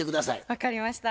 分かりました。